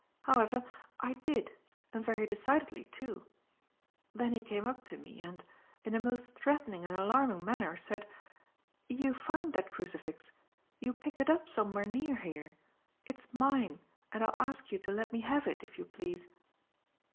However, I did, and very decidedly, too. Then he came up to me, and, in a most threatening and alarming manner, said: 'You found that crucifix. You picked it up somewhere near here. It's mine, and I'll ask you to let me have it, if you please.'